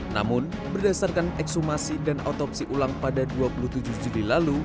namun berdasarkan ekshumasi dan otopsi ulang pada dua puluh tujuh juli lalu